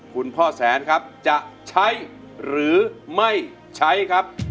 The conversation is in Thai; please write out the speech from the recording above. คุณพ่อแสนครับจะใช้หรือไม่ใช้ครับ